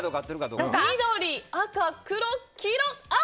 緑、赤、黒、黄色、青。